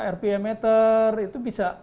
rpm meter itu bisa kita buat gitu loh